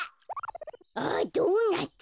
あドーナツ。